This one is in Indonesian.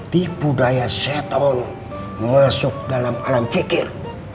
tipu daya seton masuk dalam alam zikir